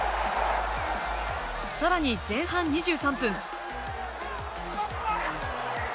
さらに、前半２３分。